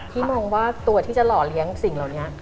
ที่มองว่าตัวที่จะหล่อเลี้ยงสิ่งเหล่านี้